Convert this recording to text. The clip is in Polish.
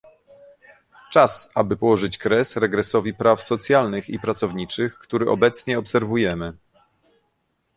Czas, aby położyć kres regresowi praw socjalnych i pracowniczych, który obecnie obserwujemy